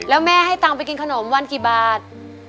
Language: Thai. แล้วแม่ให้ตังค์ไปกินขนมวันกี่บาท